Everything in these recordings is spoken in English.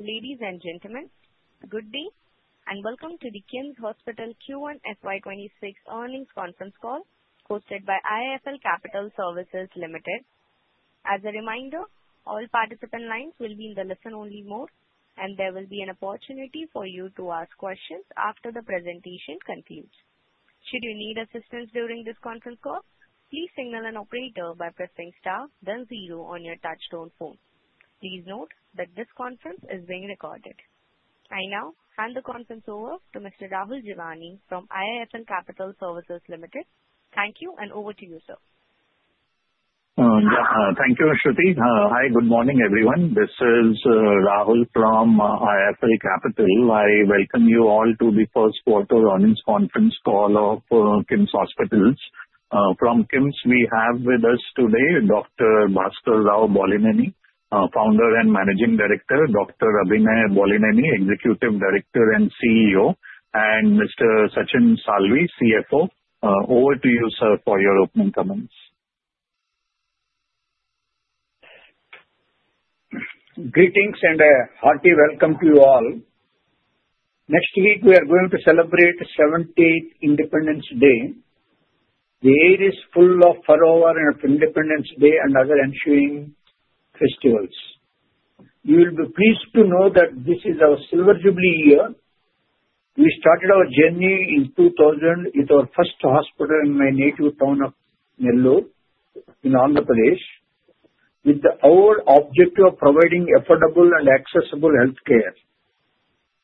Ladies and gentlemen, good day, and welcome to the KIMS Hospitals Q1 FY 2026 Earnings Conference Call hosted by IIFL Capital Services Limited. As a reminder, all participant lines will be in the listen-only mode, and there will be an opportunity for you to ask questions after the presentation concludes. Should you need assistance during this conference call, please signal an operator by pressing star, then zero on your touch-tone phone. Please note that this conference is being recorded. I now hand the conference over to Mr. Rahul Jeewani from IIFL Capital Services Limited. Thank you, and over to you, sir. Thank you, Shruti. Hi, good morning, everyone. This is Rahul Jeewani from IIFL Capital. I welcome you all to the first quarter earnings conference call of KIMS Hospitals. From KIMS, we have with us today Dr. Bhaskar Rao Bollineni, Founder and Managing Director, Dr. Abhinay Bollineni, Executive Director and CEO, and Mr. Sachin Salvi, CFO. Over to you, sir, for your opening comments. Greetings and a hearty welcome to you all. Next week, we are going to celebrate 78th Independence Day. The air is full of fervor of Independence Day and other ensuing festivals. You will be pleased to know that this is our silver jubilee year. We started our journey in 2000 with our first hospital in my native town of Nellore, in Andhra Pradesh, with the overall objective of providing affordable and accessible healthcare.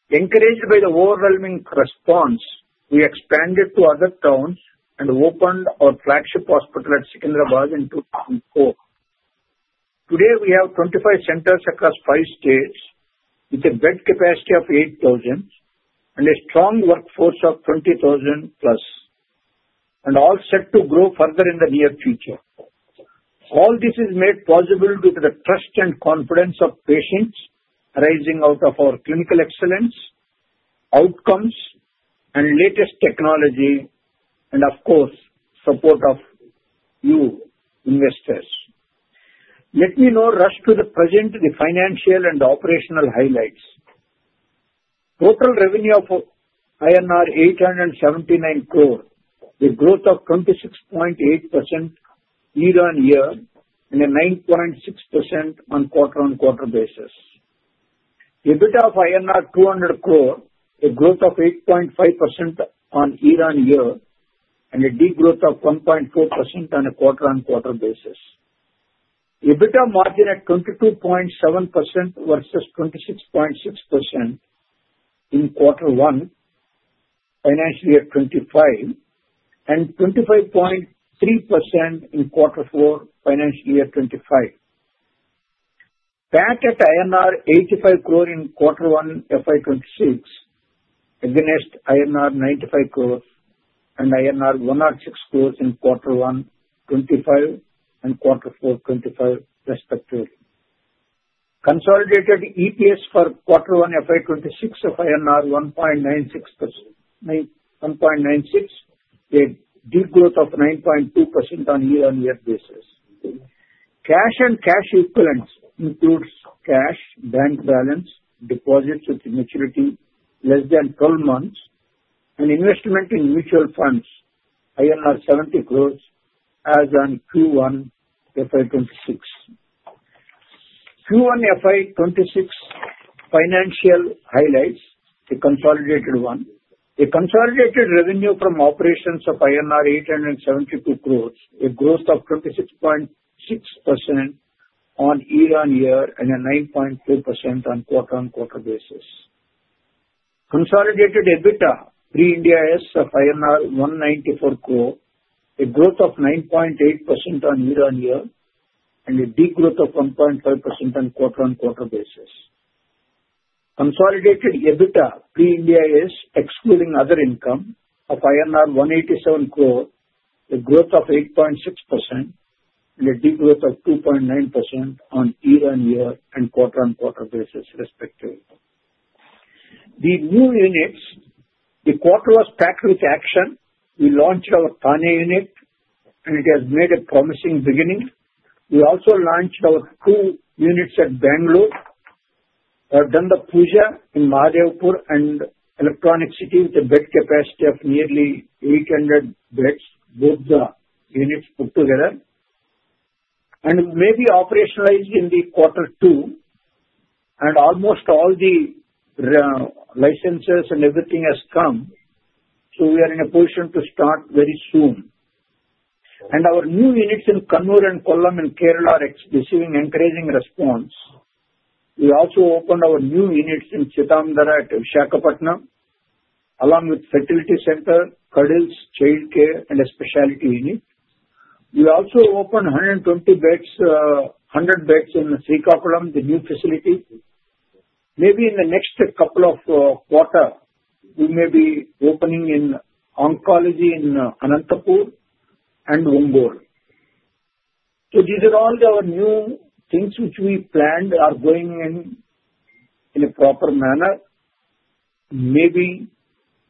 Encouraged by the overwhelming response, we expanded to other towns and opened our flagship hospital at Secunderabad in 2004. Today, we have 25 centers across five states with a bed capacity of 8,000 and a strong workforce of 20,000+, and all set to grow further in the near future. All this is made possible due to the trust and confidence of patients arising out of our clinical excellence, outcomes, and latest technology, and of course, support of you, investors. Let me now rush to the present, the financial and operational highlights. Total revenue of INR 879 crore, with growth of 26.8% year-on-year and a 9.6% on quarter-on-quarter basis. EBITDA of INR 200 crore, with growth of 8.5% year-on-year and a degrowth of 1.4% on a quarter-on-quarter basis. EBITDA margin at 22.7% versus 26.6% in quarter one, financial year 2025, and 25.3% in quarter four, financial year 2025. PAT at INR 85 crore in quarter one FY 2026, against INR 95 crore and INR 106 crore in quarter one 2025 and quarter four 2025, respectively. Consolidated EPS for quarter one FY 2026 of INR 1.96 with degrowth of 9.2% on a year-on-year basis. Cash and cash equivalents include cash, bank balance, deposits with maturity less than 12 months, and investment in mutual funds, 70 crore, as on Q1 FY 2026. Q1 FY 2026 financial highlights, the consolidated one. The consolidated revenue from operations of INR 872 crore, with growth of 26.6% on year-on-year and a 9.4% on quarter-on-quarter basis. Consolidated EBITDA pre-Ind AS of INR 194 crore, with growth of 9.8% on year-on-year and a degrowth of 1.5% on quarter-on-quarter basis. Consolidated EBITDA pre-Ind AS, excluding other income, of INR 187 crore, with growth of 8.6% and a degrowth of 2.9% on year-on-year and quarter-on-quarter basis, respectively. The new units, the quarter was packed with action. We launched our Thane unit, and it has made a promising beginning. We also launched our two units at Bangalore, done the Puja in Mahadevapura and Electronic City, with a bed capacity of nearly 800 beds, both the units put together, and maybe operationalized in quarter two, and almost all the licenses and everything has come, so we are in a position to start very soon, and our new units in Kannur and Kollam in Kerala are receiving encouraging response. We also opened our new units in Seethammadhara at Visakhapatnam, along with fertility center, Cuddles, childcare, and a specialty unit. We also opened 120 beds, 100 beds in Srikakulam, the new facility. Maybe in the next couple of quarters, we may be opening in oncology in Anantapur and Ongole, so these are all our new things which we planned are going in a proper manner. Maybe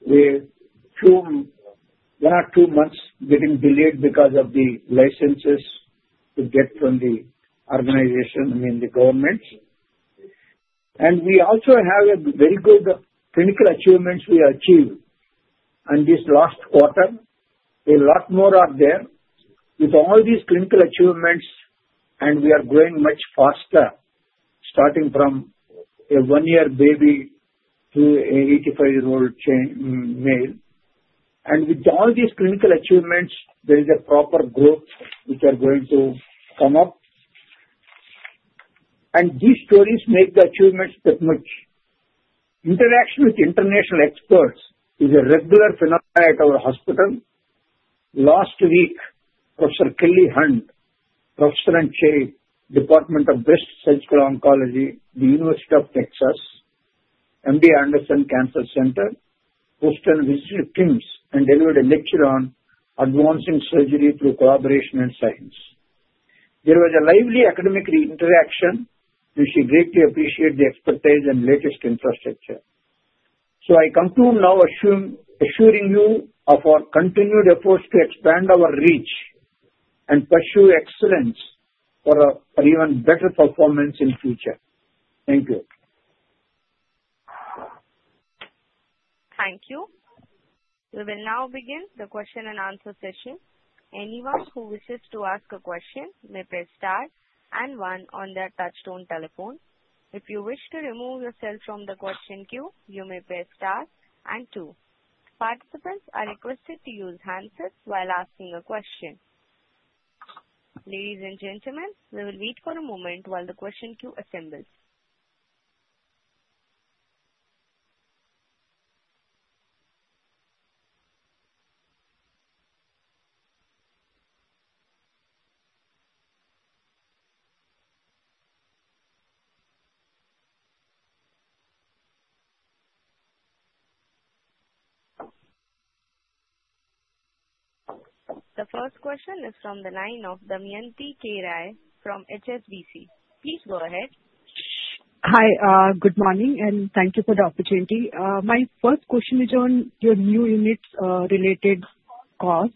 we're one or two months getting delayed because of the licenses to get from the organization, I mean, the governments. And we also have very good clinical achievements we achieved in this last quarter. A lot more are there. With all these clinical achievements, we are growing much faster, starting from a one-year baby to an 85-year-old male. And with all these clinical achievements, there is a proper growth which is going to come up. And these stories make the achievements that much. Interaction with international experts is a regular phenomenon at our hospital. Last week, Professor Kelly Hunt, Professor and Chair, Department of Breast Surgical Oncology, The University of Texas, MD Anderson Cancer Center, hosted and visited KIMS and delivered a lecture on advancing surgery through collaboration and science. There was a lively academic interaction, which we greatly appreciate, the expertise and latest infrastructure. So I come to now assuring you of our continued efforts to expand our reach and pursue excellence for even better performance in the future. Thank you. Thank you. We will now begin the question and answer session. Anyone who wishes to ask a question may press star and one on their touchtone telephone. If you wish to remove yourself from the question queue, you may press star and two. Participants are requested to use handsets while asking a question. Ladies and gentlemen, we will wait for a moment while the question queue assembles. The first question is from the line of Damayanti Kerai from HSBC. Please go ahead. Hi, good morning, and thank you for the opportunity. My first question is on your new units related cost.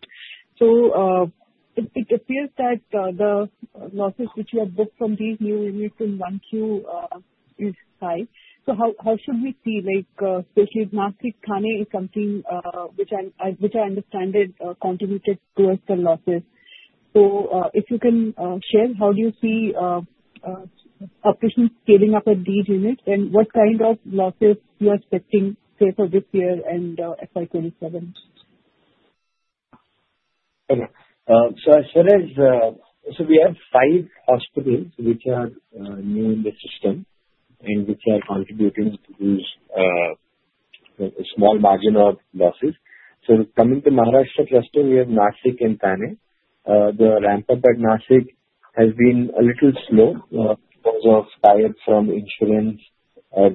So it appears that the losses which you have booked from these new units in Q1 is high. So how should we see? Especially in Nashik, Thane is something which, as I understand it, contributed to the losses. So if you can share, how do you see operations scaling up at these units, and what kind of losses you are expecting, say, for this year and FY 2027? So we have five hospitals which are new in the system and which are contributing to these small margin of losses. Coming to Maharashtra cluster, we have Nashik and Thane. The ramp-up at Nashik has been a little slow because of tie-up from insurance,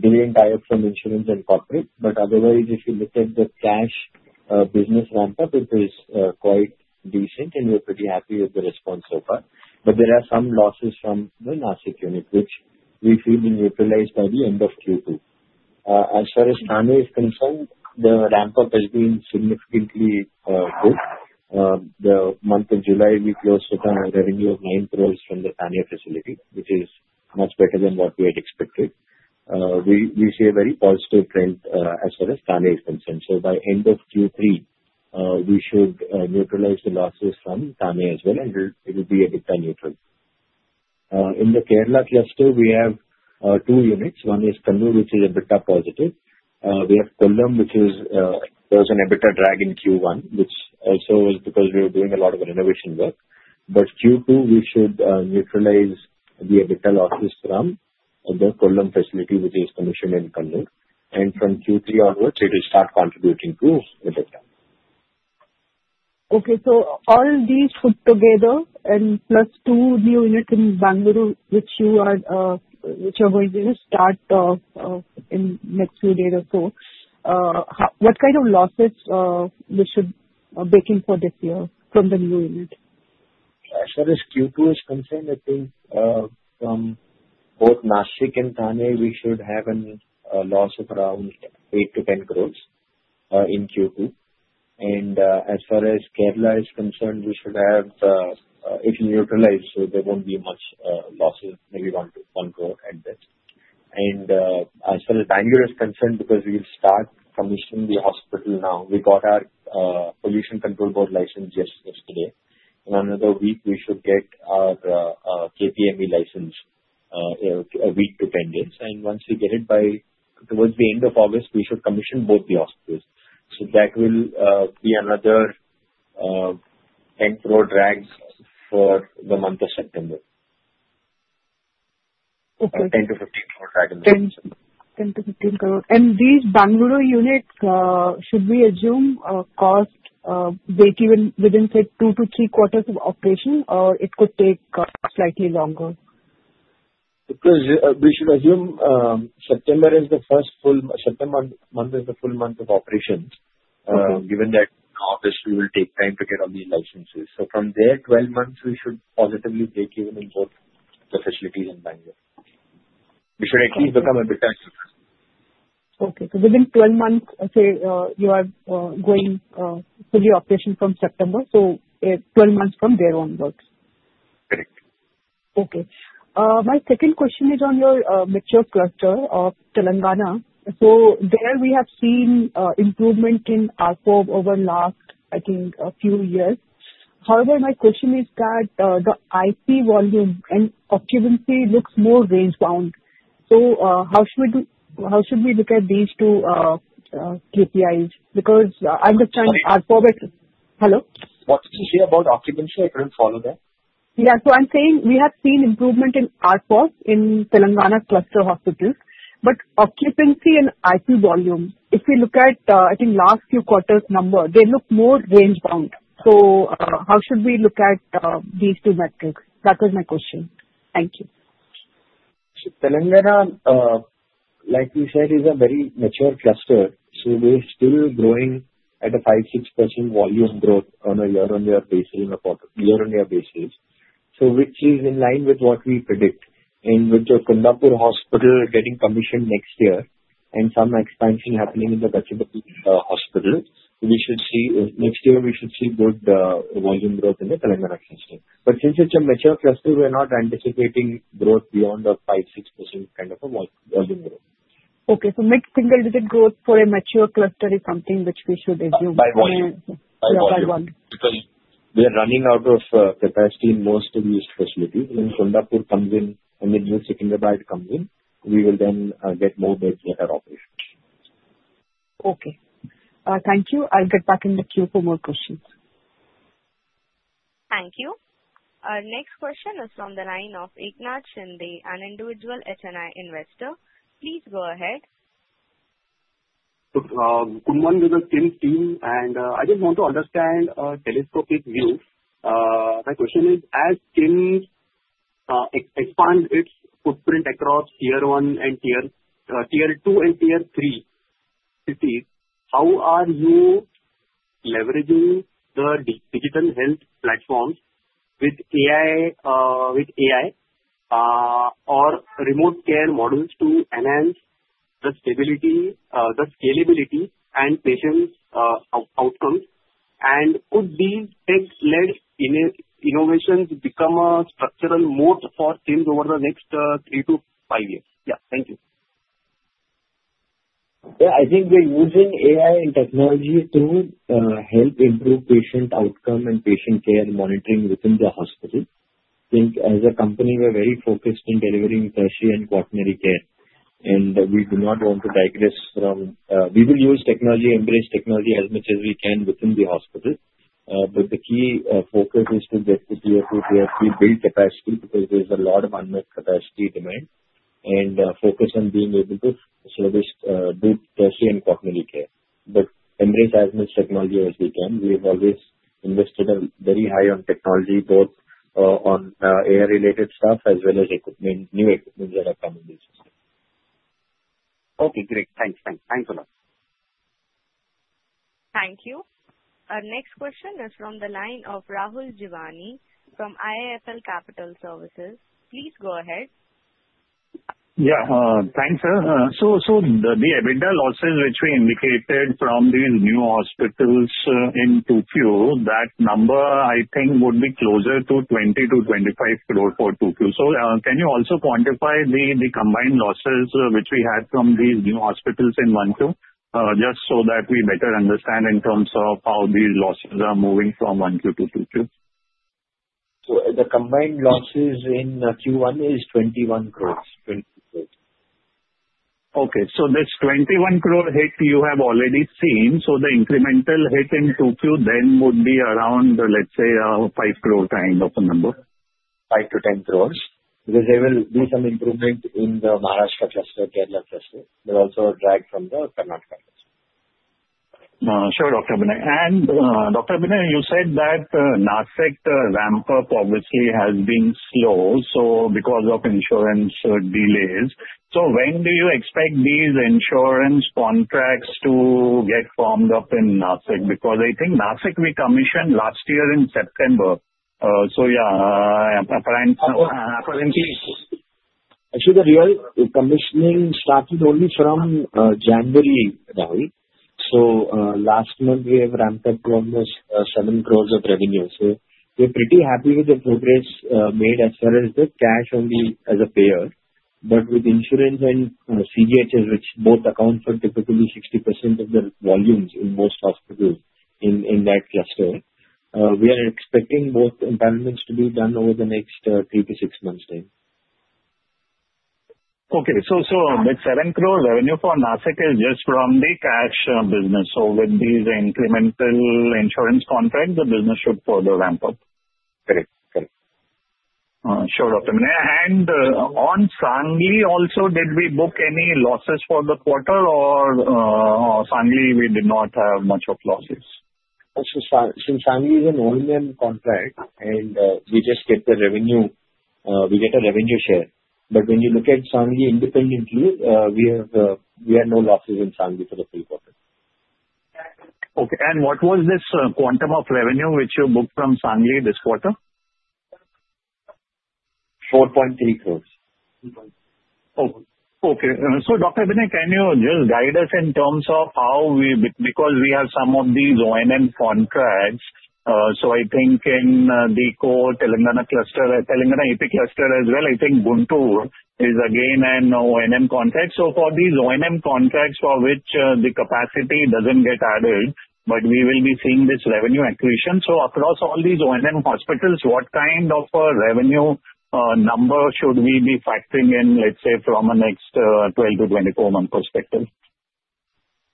delayed tie-up from insurance and corporate. But otherwise, if you look at the cash business ramp-up, it is quite decent, and we're pretty happy with the response so far. But there are some losses from the Nashik unit, which we feel will be neutralized by the end of Q2. As far as Thane is concerned, the ramp-up has been significantly good. The month of July, we closed with a revenue of 9 crore from the Thane facility, which is much better than what we had expected. We see a very positive trend as far as Thane is concerned. So by end of Q3, we should neutralize the losses from Thane as well, and it will be EBITDA neutral. In the Kerala cluster, we have two units. One is Kannur, which is EBITDA positive. We have Kollam, which was an EBITDA drag in Q1, which also was because we were doing a lot of renovation work, but Q2, we should neutralize the EBITDA losses from the Kollam facility, which is commissioned in Kannur, and from Q3 onwards, it will start contributing to EBITDA. Okay, so all these put together and plus two new units in Bangalore, which you are going to start in the next few days or so, what kind of losses should we be looking for this year from the new unit? As far as Q2 is concerned, I think from both Nashik and Thane, we should have a loss of around 8 crore-10 crore in Q2. And as far as Kerala is concerned, we should have it neutralized, so there won't be much losses, maybe 1 crore at best. And as far as Bangalore is concerned, because we will start commissioning the hospital now, we got our Pollution Control Board license just yesterday. In another week, we should get our KPME license a week to 10 days. And once we get it by towards the end of August, we should commission both the hospitals. So that will be another 10 crore drag for the month of September, INR 10 crore-INR 15 crore drag in the future. INR 10 crore-INR 15 crore. And these Bangalore units, should we assume cost within, say, two to three quarters of operation, or it could take slightly longer? Because we should assume September is the first full month of operations, given that in August, we will take time to get all these licenses. So from there, 12 months, we should positively take even in both the facilities and Bangalore. We should at least become EBITDA neutral. Okay, so within 12 months, say, you are going fully operational from September, so 12 months from there onwards. Correct. Okay. My second question is on your mature cluster of Telangana. So there, we have seen improvement in output over the last, I think, few years. However, my question is that the IP volume and occupancy looks more range-bound. So how should we look at these two KPIs? Because I understand ARPOB, but hello? What did you say about occupancy? I couldn't follow that. Yeah. So I'm saying we have seen improvement in ARPOB in Telangana cluster hospitals. But occupancy and IP volume, if we look at, I think, last few quarters' number, they look more range-bound. So how should we look at these two metrics? That was my question. Thank you. Telangana, like you said, is a very mature cluster. So we're still growing at a 5%, 6% volume growth on a year-on-year basis. So which is in line with what we predict. And with the Kondapur hospital getting commissioned next year and some expansion happening in the Gachibowli hospital, we should see next year good volume growth in the Telangana cluster. But since it's a mature cluster, we're not anticipating growth beyond a 5%, 6% kind of a volume growth. Okay, so mid-single-digit growth for a mature cluster is something which we should assume. By volume. Yeah, by volume. Because we are running out of capacity in most of these facilities. When Kondapur comes in and then Secunderabad comes in, we will then get more beds in our operations. Okay. Thank you. I'll get back in the queue for more questions. Thank you. Our next question is from the line of Eknath Shinde, an Individual HNI Investor. Please go ahead. Good morning, this is KIMS team. And I just want to understand a telescopic view. My question is, as KIMS expands its footprint across tier one and tier two and tier three cities, how are you leveraging the digital health platforms with AI or remote care models to enhance the scalability and patient outcomes? And could these tech-led innovations become a structural moat for KIMS over the next three to five years? Yeah. Thank you. Yeah. I think we're using AI and technology to help improve patient outcome and patient care monitoring within the hospital. I think as a company, we're very focused on delivering tertiary and quaternary care. And we do not want to digress from we will use technology, embrace technology as much as we can within the hospital. But the key focus is to get to tier two, tier three, build capacity because there's a lot of unmet capacity demand and focus on being able to service both tertiary and quaternary care. But embrace as much technology as we can. We have always invested very high on technology, both on AI-related stuff as well as new equipment that are coming in the system. Okay. Great. Thanks. Thanks. Thanks a lot. Thank you. Our next question is from the line of Rahul Jeewani from IIFL Capital Services. Please go ahead. Yeah. Thanks, sir. So the EBITDA losses which we indicated from these new hospitals in 2Q, that number, I think, would be closer to 20 crore-25 crore for 2Q. So can you also quantify the combined losses which we had from these new hospitals in 1Q, just so that we better understand in terms of how these losses are moving from 1Q to 2Q? So the combined losses in Q1 is 21 crores. Okay. So this 21 crore hit you have already seen. So the incremental hit in 2Q then would be around, let's say, 5 crore kind of a number. 5 crores-10 crores. Because there will be some improvement in the Maharashtra cluster, Kerala cluster, but also a drag from the Karnataka cluster. Sure, Dr. Abhinay. And Dr. Abhinay, you said that Nashik ramp-up obviously has been slow, so because of insurance delays. So when do you expect these insurance contracts to get formed up in Nashik? Because I think Nashik we commissioned last year in September. So yeah, apparently. Actually, the real commissioning started only from January now. So last month, we have ramped up to almost 7 crores of revenue. So we're pretty happy with the progress made as far as the cash only as a payer. But with insurance and CGHS, which both account for typically 60% of the volumes in most hospitals in that cluster, we are expecting both improvements to be done over the next three to six months' time. Okay. So that 7 crore revenue for Nashik is just from the cash business. So with these incremental insurance contracts, the business should further ramp up. Correct. Correct. Sure, Dr. Abhinay. And on Sangli also, did we book any losses for the quarter, or Sangli we did not have much of losses? Since Sangli is an O&M contract, and we just get the revenue we get a revenue share. But when you look at Sangli independently, we have no losses in Sangli for the full quarter. Okay, and what was this quantum of revenue which you booked from Sangli this quarter? 4.3 crores. Okay, so Dr. Abhinay, can you just guide us in terms of how we, because we have some of these O&M contracts, so I think in the Telangana cluster, Telangana AP cluster as well, I think Guntur is again an O&M contract, so for these O&M hospitals, for which the capacity doesn't get added, but we will be seeing this revenue accretion, so across all these O&M hospitals, what kind of a revenue number should we be factoring in, let's say, from a next 12 to 24 month perspective?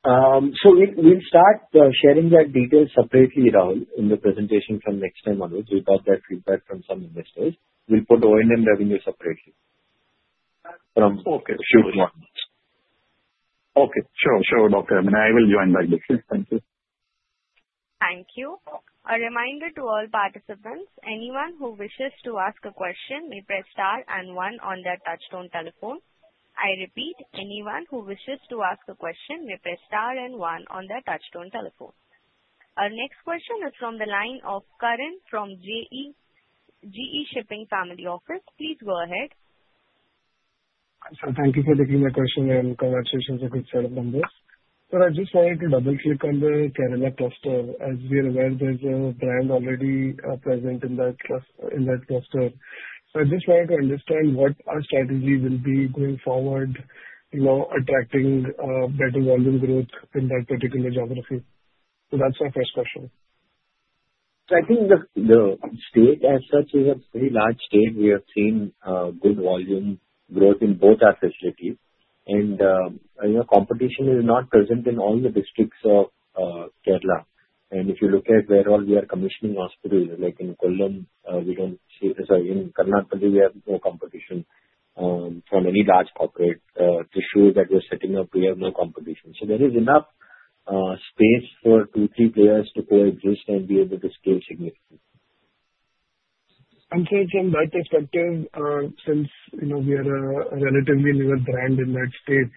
So we'll start sharing that detail separately, Rahul, in the presentation from next time onwards. We got that feedback from some investors. We'll put O&M revenue separately from. Okay. Sure. Two months. Okay. Sure. Sure, Dr. Abhinay. I will join back this week. Thank you. Thank you. A reminder to all participants. Anyone who wishes to ask a question may press star and one on their touch-tone telephone. I repeat, anyone who wishes to ask a question may press star and one on their touch-tone telephone. Our next question is from the line of Karan from GE Shipping Family Office. Please go ahead. So thank you for taking my question, and congratulations on a good set of numbers. So I just wanted to double-click on the Kerala cluster. As we are aware, there's a brand already present in that cluster. So I just wanted to understand what our strategy will be going forward, attracting better volume growth in that particular geography. So that's my first question. So I think the state as such is a very large state. We have seen good volume growth in both our facilities. And competition is not present in all the districts of Kerala. And if you look at where all we are commissioning hospitals, like in Kollam, we don't see sorry, in Karnataka, we have no competition from any large corporate issue that we're setting up. We have no competition. So there is enough space for two, three players to coexist and be able to scale significantly. Sir, from that perspective, since we are a relatively newer brand in that state,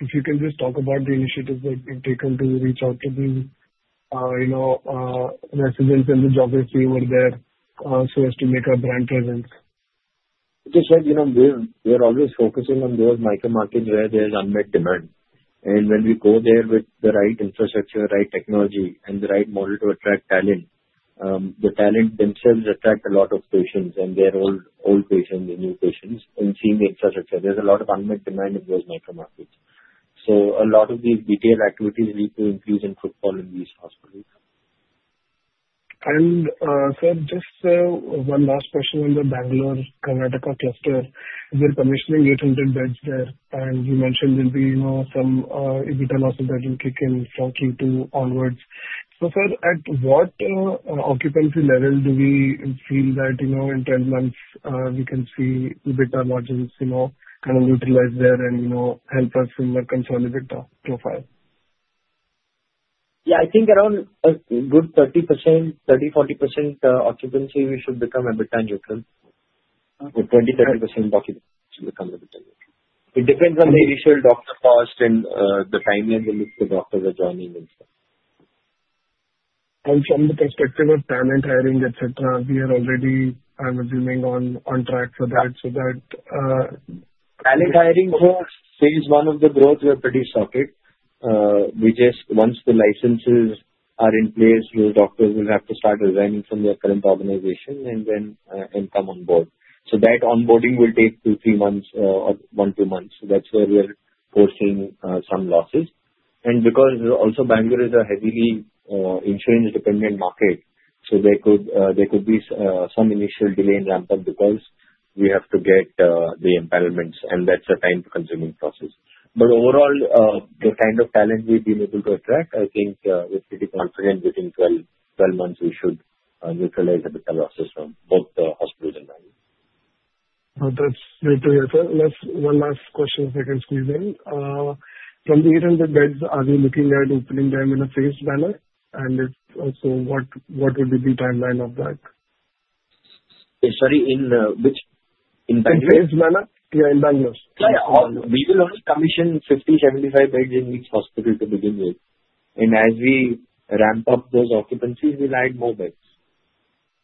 if you can just talk about the initiatives that you've taken to reach out to the residents and the geography over there so as to make a brand presence. Just like we're always focusing on those micro-markets where there's unmet demand, and when we go there with the right infrastructure, right technology, and the right model to attract talent, the talent themselves attract a lot of patients, and they're old patients and new patients, and seeing the infrastructure, there's a lot of unmet demand in those micro-markets, so a lot of these retail activities need to increase in footfall in these hospitals. And sir, just one last question on the Bangalore Karnataka cluster. We're commissioning 800 beds there. And you mentioned there'll be some EBITDA losses that will kick in from Q2 onwards. So sir, at what occupancy level do we feel that in 12 months we can see EBITDA margins kind of neutralize there and help us in the consolidate profile? Yeah. I think around a good 30%, 30, 40% occupancy, we should become EBITDA neutral. 20, 30% occupancy should become EBITDA neutral. It depends on the initial doctor cost and the timeline we look to doctors are joining and stuff. And from the perspective of talent hiring, etc., we are already, I'm assuming, on track for that. So that. Talent hiring for phase one of the growth, we are pretty stocked. Once the licenses are in place, those doctors will have to start resigning from their current organization and then come on board, so that onboarding will take two, three months or one, two months, so that's where we are foreseeing some losses, and because also Bengaluru is a heavily insurance-dependent market, so there could be some initial delay in ramp-up because we have to get the empanelments, and that's a time-consuming process, but overall, the kind of talent we've been able to attract, I think we're pretty confident within 12 months we should neutralize EBITDA losses from both the hospitals and Bangalore. That's great to hear. Sir, one last question if I can squeeze in. From the 800 beds, are you looking at opening them in a phased manner? And if so, what would be the timeline of that? Sorry, in which? In Bangalore? In phased manner. Yeah, in Bangalore. We will only commission 50-75 beds in each hospital to begin with, and as we ramp up those occupancies, we'll add more beds.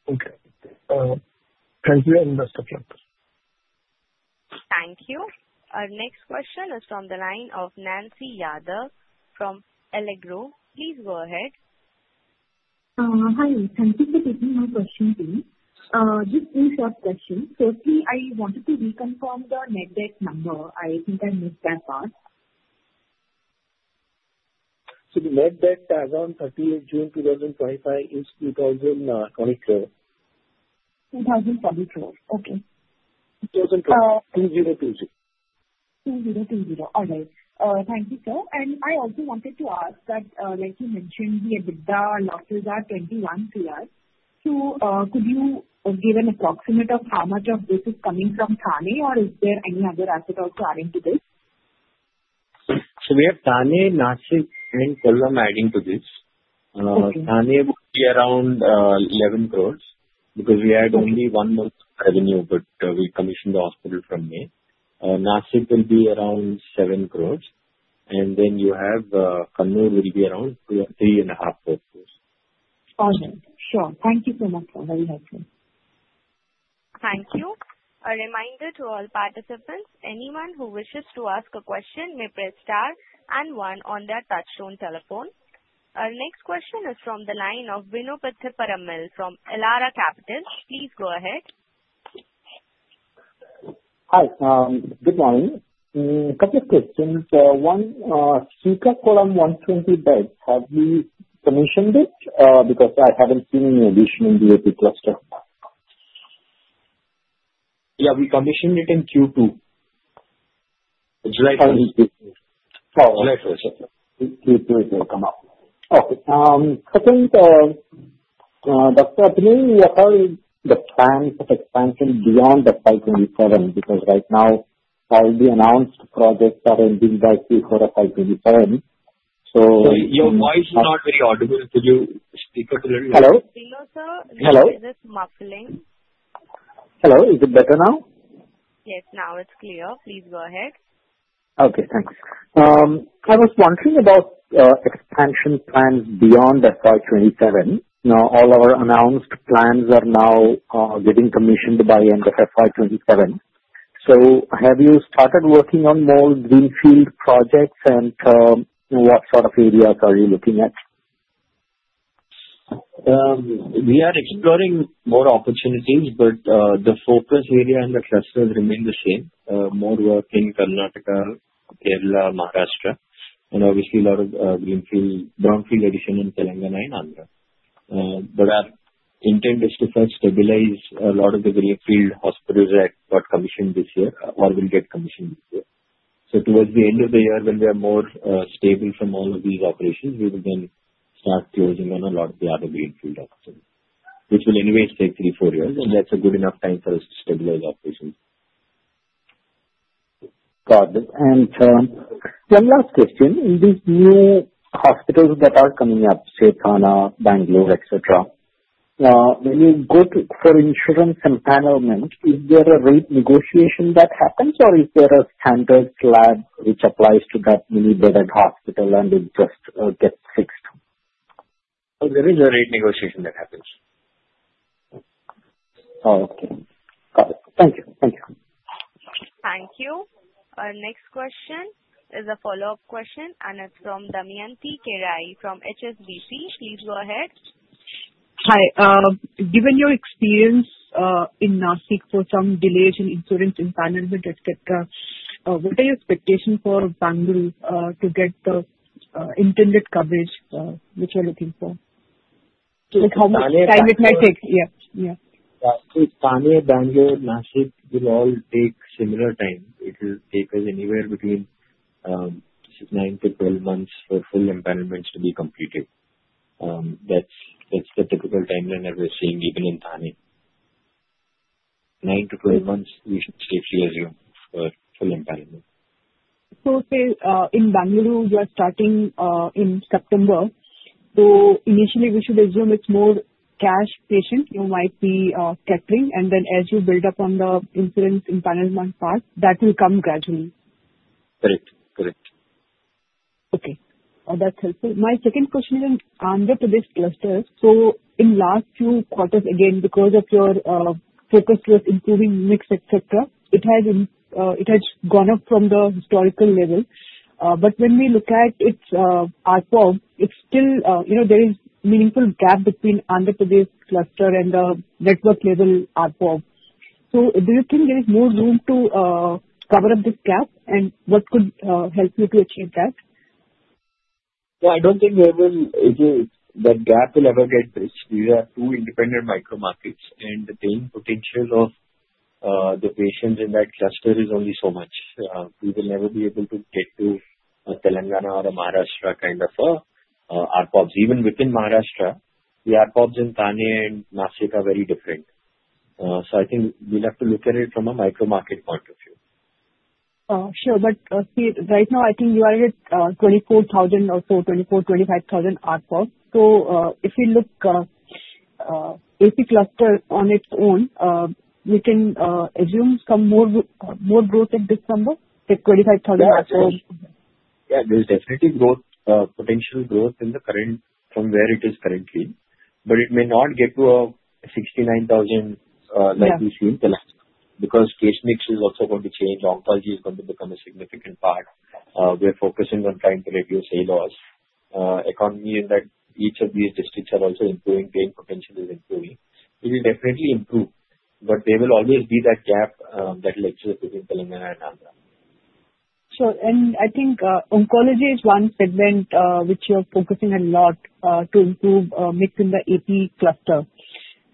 Okay. Thank you, investors. Thank you. Our next question is from the line of Nancy Yadav from Equirus Securities. Please go ahead. Hi. Thank you for taking my question, Tim. Just two short questions. Firstly, I wanted to reconfirm the net debt number. I think I missed that part. The net debt as of 30th June 2025 is 2,020 crores. 2024. Okay. 2024. 2020. All right. Thank you, sir. And I also wanted to ask that, like you mentioned, the EBITDA losses are 21 crore. So could you give an approximation of how much of this is coming from Thane, or is there any other asset also adding to this? We have Thane, Nashik, and Kollam adding to this. Thane would be around 11 crores because we had only one month revenue, but we commissioned the hospital from May. Nashik will be around 7 crores. And then you have Kannur will be around 3.5 crores. All right. Sure. Thank you so much, sir. Very helpful. Thank you. A reminder to all participants. Anyone who wishes to ask a question may press star and one on their touch-tone telephone. Our next question is from the line of Bino Pathiparampil from Elara Capital. Please go ahead. Hi. Good morning. A couple of questions. One, Srikakulam 120 beds, have we commissioned it? Because I haven't seen any addition in the AP cluster. Yeah. We commissioned it in Q2. July 22. Oh, July 22. Q2 is the come-up. Okay. Second, Dr. Abhinay, what are the plans of expansion beyond the 5,271? Because right now, all the announced projects are ending by Q4 of FY 2027. So. Sorry. Your voice is not very audible. Could you speak up a little bit? Hello? Hello, sir. Hello? This is Mufling. Hello. Is it better now? Yes. Now it's clear. Please go ahead. Okay. Thanks. I was wondering about expansion plans beyond FY 2027. Now, all our announced plans are now getting commissioned by end of FY 2027. So have you started working on more greenfield projects, and what sort of areas are you looking at? We are exploring more opportunities, but the focus area in the clusters remains the same. More work in Karnataka, Kerala, Maharashtra. And obviously, a lot of brownfield addition in Telangana and Andhra. But our intent is to first stabilize a lot of the greenfield hospitals that got commissioned this year or will get commissioned this year. So towards the end of the year, when we are more stable from all of these operations, we will then start closing on a lot of the other greenfield hospitals, which will anyway take three, four years. And that's a good enough time for us to stabilize operations. Got it. One last question. In these new hospitals that are coming up, say Thane, Bangalore, etc., when you go for insurance empanelment, is there a rate negotiation that happens, or is there a standard slab which applies to that many-bedded hospital and it just gets fixed? There is a rate negotiation that happens. Okay. Got it. Thank you. Thank you. Thank you. Our next question is a follow-up question, and it's from Damayanti Kerai from HSBC. Please go ahead. Hi. Given your experience in Nashik for some delays in insurance empanelment, etc., what are your expectations for Bangalore to get the intended coverage which you're looking for? Like how much time it might take? Yeah. Yeah. Thane, Bangalore, Nashik will all take similar time. It will take us anywhere between nine to 12 months for full operations to be completed. That's the typical timeline that we're seeing even in Thane. Nine to 12 months, we should safely assume for full operation. So in Bangalore, we are starting in September. So initially, we should assume it's more cash patient who might be scattering. And then as you build up on the insurance empanelment part, that will come gradually. Correct. Correct. Okay. That's helpful. My second question is in Andhra Pradesh cluster. So in the last few quarters, again, because of your focus with improving mix etc., it has gone up from the historical level. But when we look at its output, it's still there is a meaningful gap between Andhra Pradesh cluster and the network-level output. So do you think there is more room to cover up this gap, and what could help you to achieve that? I don't think that gap will ever get bridged. These are two independent micro-markets, and the potential of the patients in that cluster is only so much. We will never be able to get to a Telangana or a Maharashtra kind of outputs. Even within Maharashtra, the outputs in Thane and Nashik are very different. I think we'll have to look at it from a micro-market point of view. Sure. But right now, I think you are at 24,000 or so, 24,000-25,000 outputs. So if we look at AP cluster on its own, we can assume some more growth at this number, like 25,000 outputs. Yeah. There's definitely potential growth in the current from where it is currently. But it may not get to 69,000 like we've seen in Telangana because case mix is also going to change. Oncology is going to become a significant part. We're focusing on trying to reduce ALOS economy in that each of these districts are also improving. Paying potential is improving. It will definitely improve, but there will always be that gap that lets us look in Telangana and Andhra. Sure. And I think oncology is one segment which you're focusing a lot to improve mix in the AP cluster.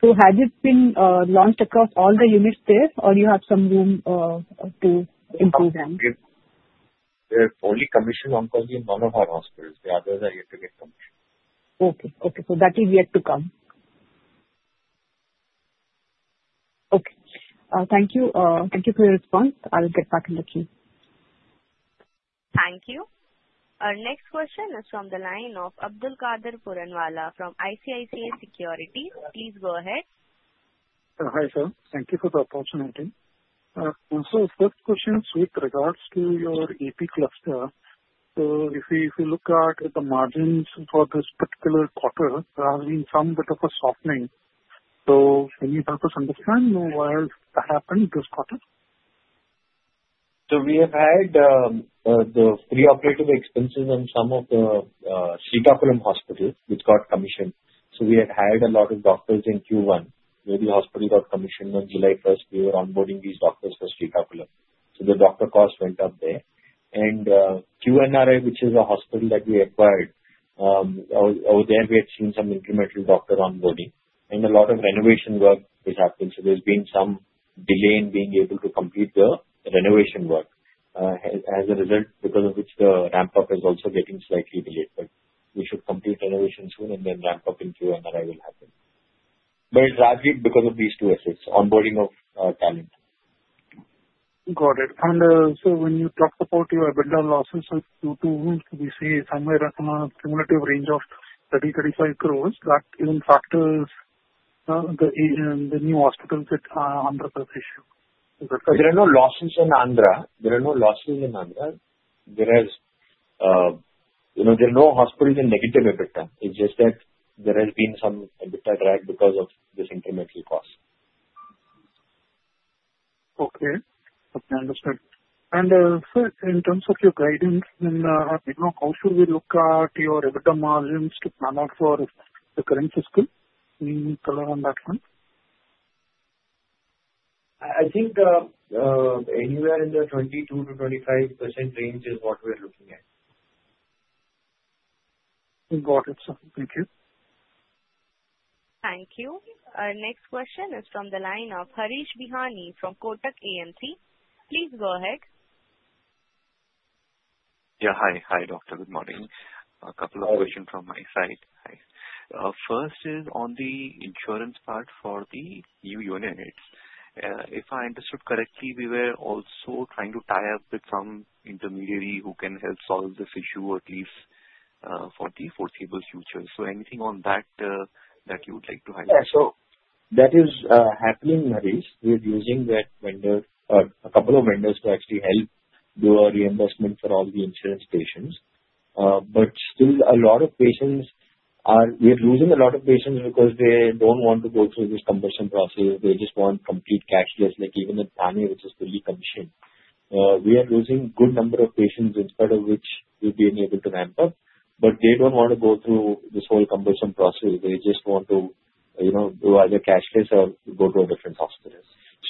So has it been launched across all the units there, or do you have some room to improve them? We have only commissioned oncology in one of our hospitals. The others are yet to get commissioned. Okay. Okay. So that is yet to come. Okay. Thank you. Thank you for your response. I'll get back in a few. Thank you. Our next question is from the line of Abdulkader Puranwala from ICICI Securities. Please go ahead. Hi, sir. Thank you for the opportunity. Also, first question with regards to your AP cluster. So if we look at the margins for this particular quarter, there has been some bit of a softening. So can you help us understand why has that happened this quarter? We have had the pre-operative expenses on some of the Srikakulam hospitals which got commissioned. So we had hired a lot of doctors in Q1. When the hospital got commissioned on July 1st, we were onboarding these doctors for Srikakulam. So the doctor cost went up there. And QNRI, which is a hospital that we acquired, over there we had seen some incremental doctor onboarding. And a lot of renovation work which happened. So there's been some delay in being able to complete the renovation work as a result because of which the ramp-up is also getting slightly delayed. But we should complete renovation soon and then ramp up in QNRI will happen. But it's largely because of these two efforts, onboarding of talent. Got it. And so when you talk about your EBITDA losses of Q2, we see somewhere around a cumulative range of 30 crore-35 crore. That even factors the new hospitals at Andhra Pradesh. There are no losses in Andhra. There are no losses in Andhra. There are no hospitals in negative EBITDA. It's just that there has been some EBITDA drag because of this incremental cost. Okay. Okay. Understood. And sir, in terms of your guidance, how should we look at your EBITDA margins to plan out for the current fiscal? Can you color on that one? I think anywhere in the 22%-25% range is what we're looking at. Got it, sir. Thank you. Thank you. Our next question is from the line of Harish Bihani from Kotak AMC. Please go ahead. Yeah. Hi. Hi, Doctor. Good morning. A couple of questions from my side. First is on the insurance part for the new units. If I understood correctly, we were also trying to tie up with some intermediary who can help solve this issue at least for the foreseeable future. So anything on that that you would like to highlight? Yeah. So that is happening, Harish. We're using a couple of vendors to actually help do a reimbursement for all the insurance patients. But still, a lot of patients, we're losing a lot of patients because they don't want to go through this cumbersome process. They just want complete cashless, like even in Thane, which is fully commissioned. We are losing a good number of patients in spite of which we've been able to ramp up. But they don't want to go through this whole cumbersome process. They just want to do either cashless or go to a different hospital.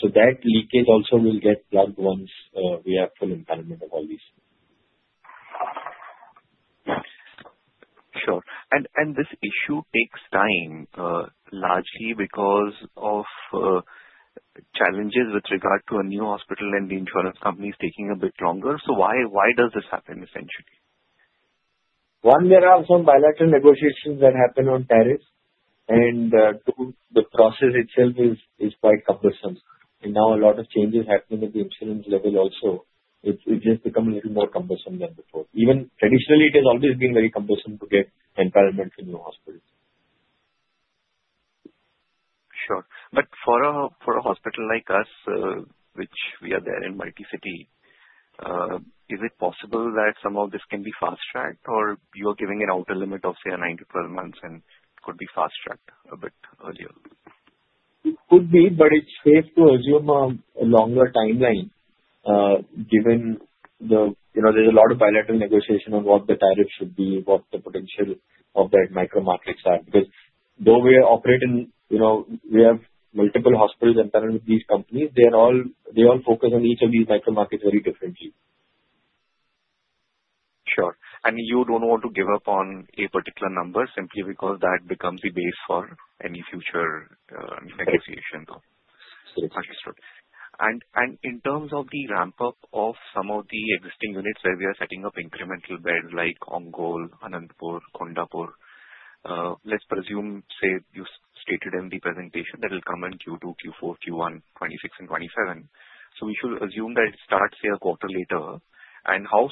So that leakage also will get plugged once we have full empowerment of all these. Sure. And this issue takes time largely because of challenges with regard to a new hospital and the insurance companies taking a bit longer. So why does this happen, essentially? One, there are some bilateral negotiations that happen on tariffs. And two, the process itself is quite cumbersome. And now a lot of changes happening at the insurance level also. It just becomes a little more cumbersome than before. Even traditionally, it has always been very cumbersome to get empanelment for new hospitals. Sure, but for a hospital like us, which we are there in multi-city, is it possible that some of this can be fast-tracked, or you are giving an outer limit of, say, nine to 12 months, and it could be fast-tracked a bit earlier? It could be, but it's safe to assume a longer timeline given there's a lot of bilateral negotiation on what the tariff should be, what the potential of that micro-markets are. Because, though we operate in, we have multiple hospitals empowered with these companies, they all focus on each of these micro-markets very differently. Sure. And you don't want to give up on a particular number simply because that becomes the base for any future negotiation, though. Correct. Understood. And in terms of the ramp-up of some of the existing units where we are setting up incremental beds like Ongole, Anantapur, Kondapur, let's presume, say, you stated in the presentation that it'll come in Q2, Q4, Q1 2026, and 2027. So we should assume that it starts a quarter later. And how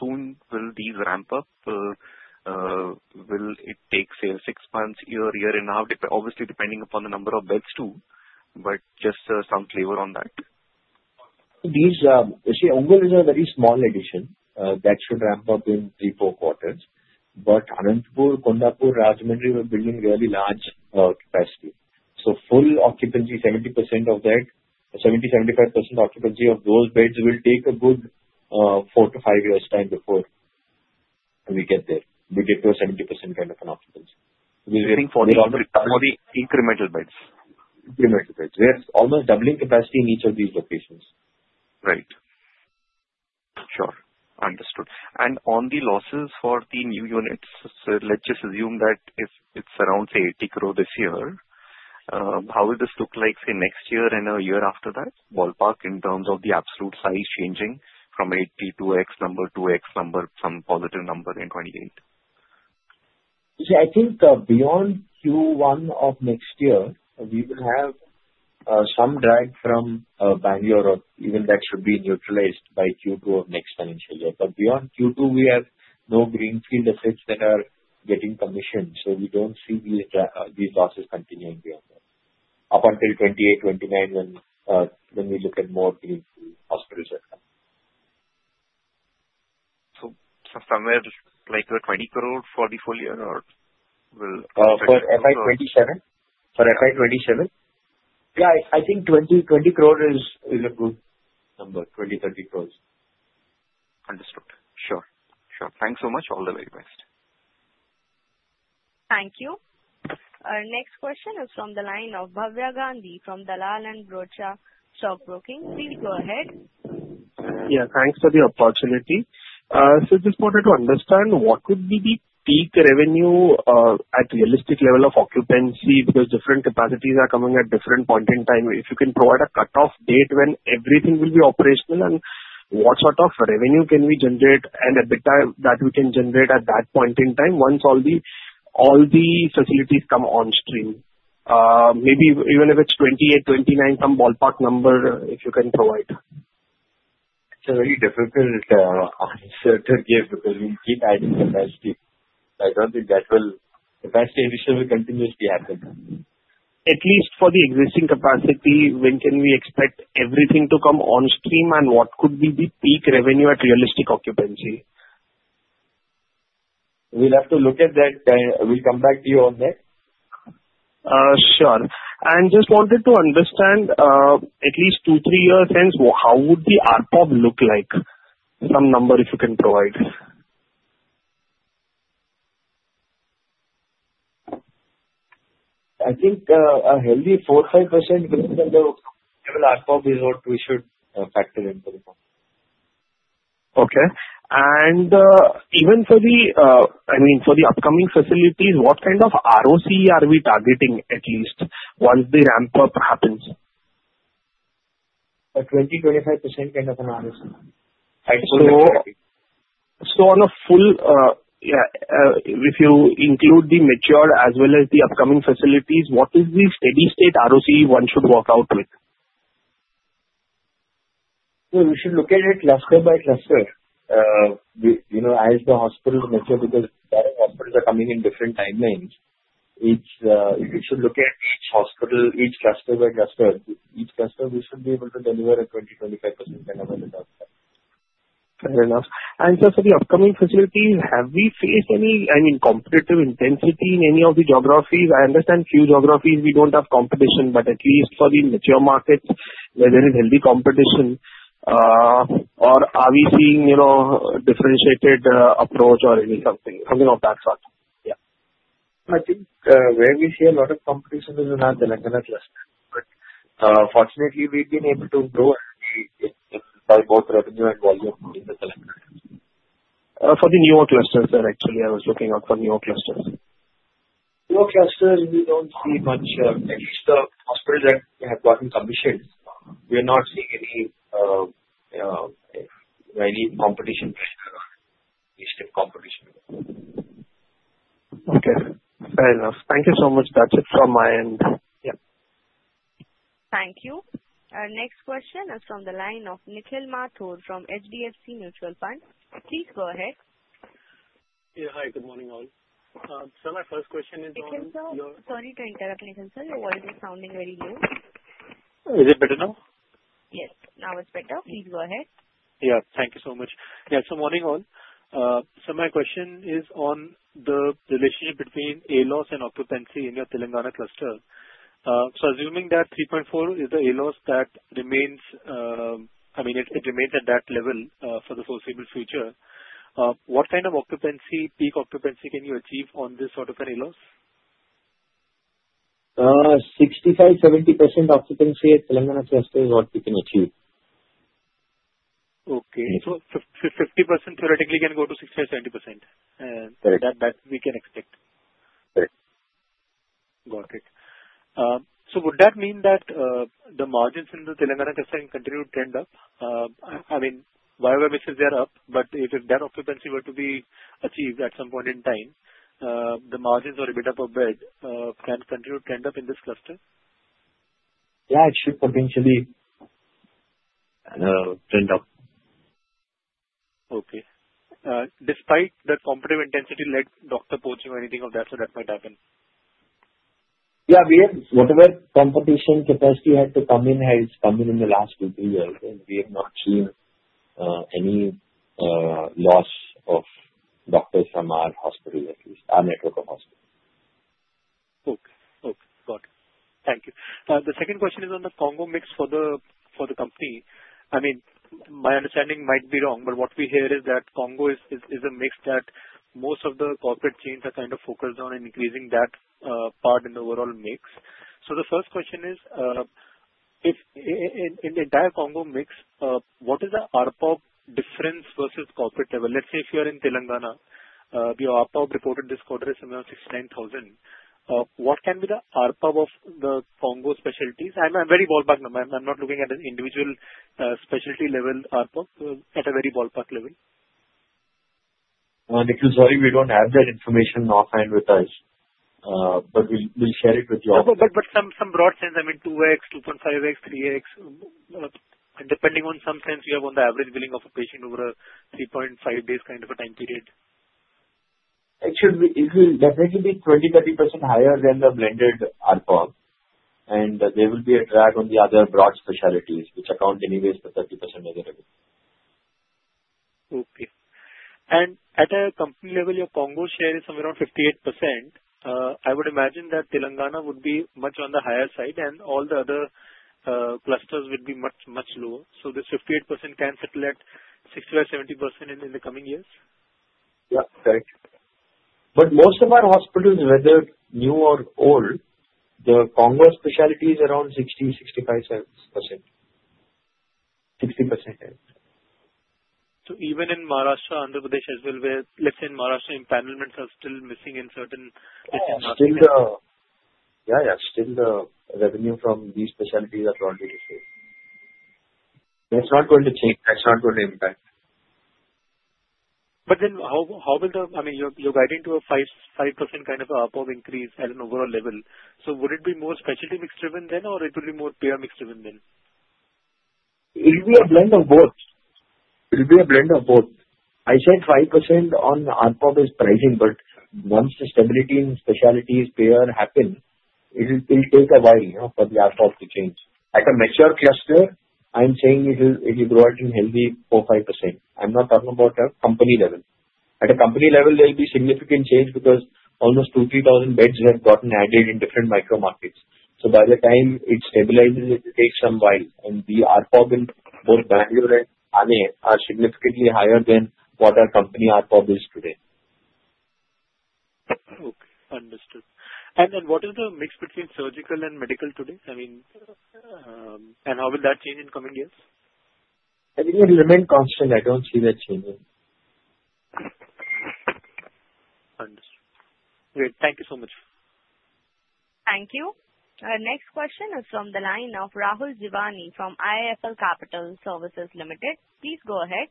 soon will these ramp up? Will it take, say, six months, a year, a year and a half, obviously depending upon the number of beds too, but just some flavor on that? See, Ongole is a very small addition that should ramp up in three, four quarters. But Anantapur, Kondapur, Rajahmundry will be building really large capacity. So full occupancy, 70% of that, 70%-75% occupancy of those beds will take a good four to five years' time before we get there, we get to a 70% kind of an occupancy. I think 40% more incremental beds. Incremental beds. We are almost doubling capacity in each of these locations. Right. Sure. Understood, and on the losses for the new units, so let's just assume that it's around, say, 80 crore this year. How will this look like, say, next year and a year after that, ballpark in terms of the absolute size changing from 80 to X number, 2X number, some positive number in 2028? See, I think beyond Q1 of next year, we will have some drag from Bangalore, or even that should be neutralized by Q2 of next financial year. But beyond Q2, we have no greenfield effects that are getting commissioned. So we don't see these losses continuing beyond that up until 2028, 2029 when we look at more greenfield hospitals that come. So somewhere like 20 crore for the full year, or will it? For FY 2027? For FY 2027? Yeah. I think 20 crore is a good number, 20 crore, 30 crore. Understood. Sure. Sure. Thanks so much. All the very best. Thank you. Our next question is from the line of Bhavya Gandhi from Dalal & Broacha Stock Broking. Please go ahead. Yeah. Thanks for the opportunity. So just wanted to understand what would be the peak revenue at realistic level of occupancy because different capacities are coming at different point in time. If you can provide a cutoff date when everything will be operational and what sort of revenue can we generate and EBITDA that we can generate at that point in time once all the facilities come on stream, maybe even if it's 2028, 2029, some ballpark number if you can provide. It's a very difficult, uncertain guidance because we keep adding capacity. I don't think that the capacity addition will continuously happen. At least for the existing capacity, when can we expect everything to come on stream and what could be the peak revenue at realistic occupancy? We'll have to look at that. We'll come back to you on that. Sure. And just wanted to understand at least two, three years hence, how would the output look like? Some number if you can provide. I think a healthy 4%-5% level output is what we should factor into. Okay, and even for the, I mean, for the upcoming facilities, what kind of ROCE are we targeting at least once the ramp-up happens? A 20%-25% kind of an ROCE. On a full year, if you include the mature as well as the upcoming facilities, what is the steady-state ROCE one should work out with? so we should look at it cluster by cluster. As the hospitals mature because hospitals are coming in different timelines, we should look at each hospital, each cluster by cluster. Each cluster, we should be able to deliver a 20%-25% kind of an output. Fair enough. And so for the upcoming facilities, have we faced any, I mean, competitive intensity in any of the geographies? I understand few geographies we don't have competition, but at least for the mature markets, where there is healthy competition, or are we seeing differentiated approach or something of that sort? Yeah. I think where we see a lot of competition is in our Telangana cluster. But fortunately, we've been able to grow by both revenue and volume in the Telangana. For the newer clusters, sir, actually, I was looking out for newer clusters. Newer clusters, we don't see much. At least the hospitals that have gotten commissioned, we're not seeing any competition, at least in competition. Okay. Fair enough. Thank you so much. That's it from my end. Yeah. Thank you. Our next question is from the line of Nikhil Mathur from HDFC Mutual Fund. Please go ahead. Yeah. Hi. Good morning, all. So my first question is on your. Nikhil, sorry to interrupt, Nikhil. Your voice is sounding very low. Is it better now? Yes. Now it's better. Please go ahead. Thank you so much. Good morning, all. So my question is on the relationship between ALOS and occupancy in your Telangana cluster. So assuming that 3.4 is the ALOS that remains, I mean, it remains at that level for the foreseeable future, what kind of peak occupancy can you achieve on this sort of an ALOS? 65%-70% occupancy at Telangana cluster is what we can achieve. Okay, so 50% theoretically can go to 65%-70%. That we can expect. Correct. Got it. So would that mean that the margins in the Telangana cluster can continue to trend up? I mean, Vijayawada is already up, but if that occupancy were to be achieved at some point in time, the margins or EBITDA per bed can continue to trend up in this cluster? Yeah. It should potentially trend up. Okay. Despite the competitive intensity, lead to poach or anything of that sort, that might happen? Yeah. Whatever competition capacity had to come in has come in in the last two, three years, and we have not seen any loss of doctors from our hospitals, at least our network of hospitals. Okay. Okay. Got it. Thank you. The second question is on the oncology mix for the company. I mean, my understanding might be wrong, but what we hear is that oncology is a mix that most of the corporate chains are kind of focused on and increasing that part in the overall mix. So the first question is, in the entire oncology mix, what is the ARPOB difference versus corporate level? Let's say if you are in Telangana, your ARPOB reported this quarter is somewhere around 69,000. What can be the ARPOB of the oncology specialties? I'm very ballpark number. I'm not looking at an individual specialty level ARPOB at a very ballpark level. Nikhil, sorry, we don't have that information offhand with us, but we'll share it with you also. But in some broad sense, I mean, 2X, 2.5X, 3X, depending on some sense you have on the average billing of a patient over a 3.5 days kind of a time period. It will definitely be 20%-30% higher than the blended ARPOB, and there will be a drag on the other broad specialties, which account anyways for 30% as a revenue. Okay. And at a company level, your oncology share is somewhere around 58%. I would imagine that Telangana would be much on the higher side, and all the other clusters would be much, much lower. So this 58% can settle at 65%-70% in the coming years? Yeah. Correct. But most of our hospitals, whether new or old, the oncology specialty is around 60%-65%. 60%. So even in Maharashtra, Andhra Pradesh as well, let's say in Maharashtra, empanelments are still missing in certain regions. Yeah. Yeah. Still the revenue from these specialties are probably the same. It's not going to change. That's not going to impact. But then, how will the I mean, you're guiding to a 5% kind of ARPOB increase at an overall level. So would it be more specialty mix driven then, or it will be more payer mix driven then? It will be a blend of both. I said 5% on ARPOB is pricing, but once the stability in specialties, payer happen, it will take a while for the ARPOB to change. At a mature cluster, I'm saying it will grow at a healthy 4%-5%. I'm not talking about a company level. At a company level, there will be significant change because almost two to three thousand beds have gotten added in different micro-markets. So by the time it stabilizes, it takes some while, and the ARPOB in both Bangalore and AP are significantly higher than what our company ARPOB is today. Okay. Understood. And then what is the mix between surgical and medical today? I mean, and how will that change in coming years? I think it will remain constant. I don't see that changing. Understood. Great. Thank you so much. Thank you. Our next question is from the line of Rahul Jeewani from IIFL Capital Services Limited. Please go ahead.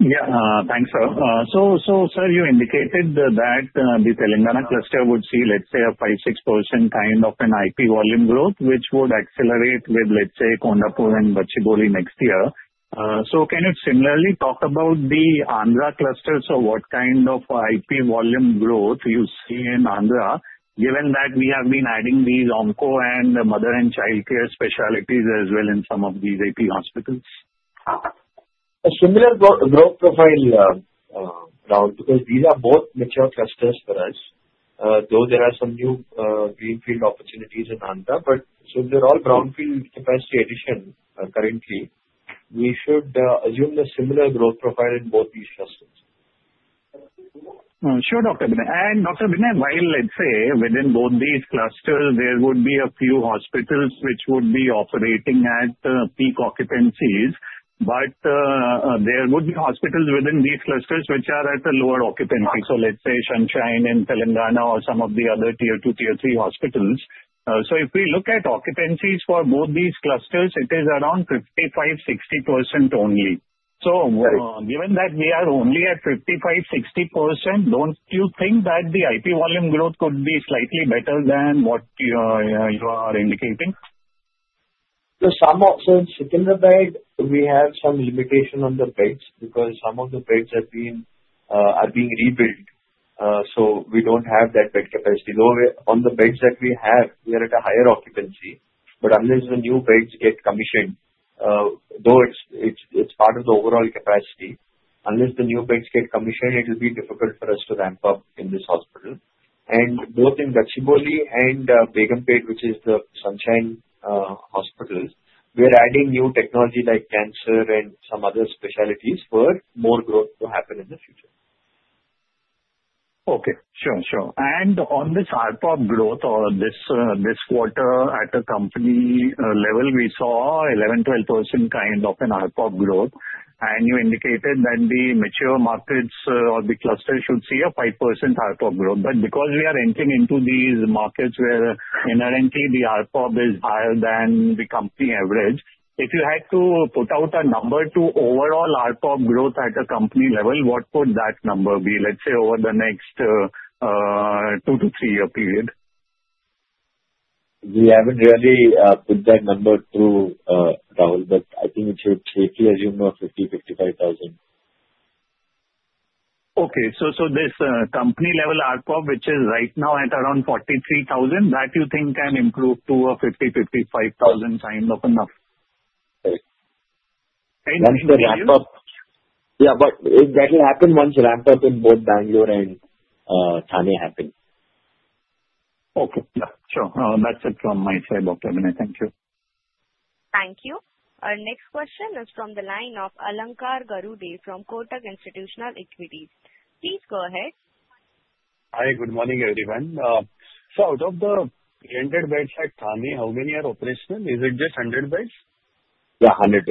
Yeah. Thanks, sir. So sir, you indicated that the Telangana cluster would see, let's say, a 5-6% kind of an IP volume growth, which would accelerate with, let's say, Kondapur and Gachibowli next year. So can you similarly talk about the Andhra clusters? So what kind of IP volume growth do you see in Andhra, given that we have been adding these Onco and Mother and Childcare specialties as well in some of these AP hospitals? A similar growth profile, Rahul, because these are both mature clusters for us, though there are some new greenfield opportunities in Andhra. But since they're all brownfield capacity addition currently, we should assume a similar growth profile in both these clusters. Sure, Dr. Abhinay. And Dr. Abhinay, while, let's say, within both these clusters, there would be a few hospitals which would be operating at peak occupancies, but there would be hospitals within these clusters which are at a lower occupancy. So let's say Sunshine in Telangana or some of the other tier two, tier three hospitals. So if we look at occupancies for both these clusters, it is around 55%-60% only. So given that we are only at 55%-60%, don't you think that the IP volume growth could be slightly better than what you are indicating? So some of the secondary bed, we have some limitation on the beds because some of the beds are being rebuilt. So we don't have that bed capacity. Though on the beds that we have, we are at a higher occupancy. But unless the new beds get commissioned, though it's part of the overall capacity, unless the new beds get commissioned, it will be difficult for us to ramp up in this hospital. And both in Gachibowli and Begumpet, which is the Sunshine Hospital, we are adding new technology like cancer and some other specialties for more growth to happen in the future. Okay. Sure. Sure. And on this ARPOB growth for this quarter at a company level, we saw 11%-12% kind of an ARPOB growth. And you indicated that the mature markets or the clusters should see a 5% ARPOB growth. But because we are entering into these markets where inherently the ARPOB is higher than the company average, if you had to put out a number to overall ARPOB growth at a company level, what would that number be, let's say, over the next two- to three-year period? We haven't really put that number through, Rahul, but I think it should safely assume a 50-55 thousand. Okay, so this company-level ARPOB, which is right now at around 43,000, that you think can improve to a 50-55 thousand kind of a number? Correct. If you ramp up. Yeah, but that will happen once ramp-up in both Bangalore and Thane happen. Okay. Sure. That's it from my side, Dr. Abhinay. Thank you. Thank you. Our next question is from the line of Alankar Garude from Kotak Institutional Equities. Please go ahead. Hi. Good morning, everyone. So out of the 300 beds at Thane, how many are operational? Is it just 100 beds? Yeah. 100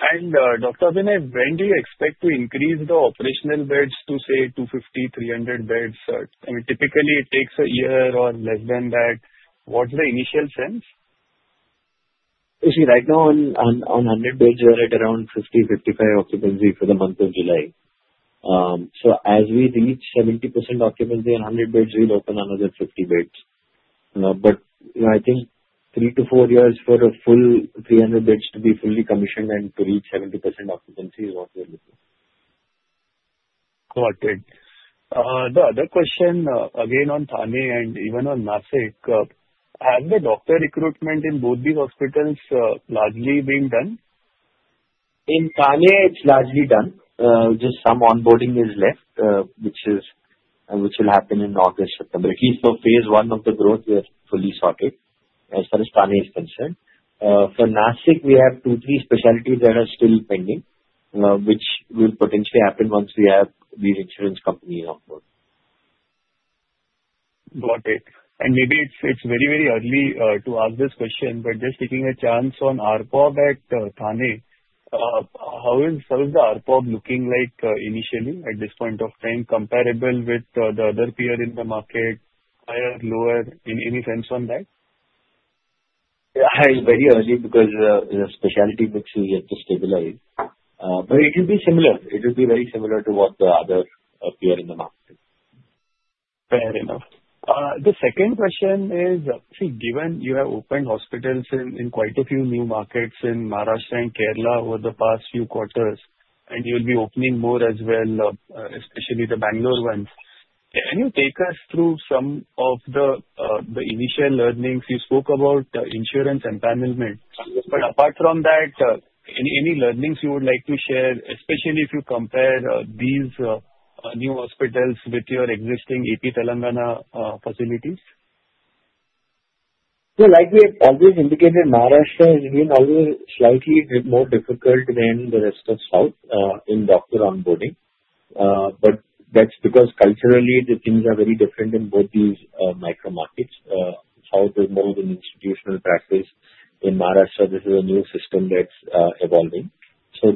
beds. Dr. Abhinay, when do you expect to increase the operational beds to, say, 250-300 beds? I mean, typically, it takes a year or less than that. What's the initial sense? You see, right now, on 100 beds, we are at around 50%-55% occupancy for the month of July. So as we reach 70% occupancy on 100 beds, we'll open another 50 beds. But I think three to four years for a full 300 beds to be fully commissioned and to reach 70% occupancy is what we're looking for. Got it. The other question, again on Thane and even on Nashik, has the doctor recruitment in both these hospitals largely been done? In Thane, it's largely done. Just some onboarding is left, which will happen in August, September. At least the phase one of the growth is fully sorted as far as Thane is concerned. For Nashik, we have two, three specialties that are still pending, which will potentially happen once we have these insurance companies on board. Got it. And maybe it's very, very early to ask this question, but just taking a chance on ARPOB at Thane, how is the ARPOB looking like initially at this point of time, comparable with the other peer in the market, higher, lower, any sense on that? Yeah. It's very early because the specialty mix is yet to stabilize. But it will be similar. It will be very similar to what the other peer in the market is. Fair enough. The second question is, see, given you have opened hospitals in quite a few new markets in Maharashtra and Kerala over the past few quarters, and you will be opening more as well, especially the Bangalore ones, can you take us through some of the initial learnings? You spoke about insurance empanelment. But apart from that, any learnings you would like to share, especially if you compare these new hospitals with your existing AP Telangana facilities? Yeah. Like we have always indicated, Maharashtra has been always slightly more difficult than the rest of South in doctor onboarding. But that's because culturally, the things are very different in both these micro-markets. South is more of an institutional practice. In Maharashtra, this is a new system that's evolving. So